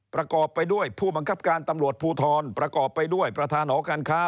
ประกอบไปด้วยผู้บังคับการตำรวจภูทรประกอบไปด้วยประธานหอการค้า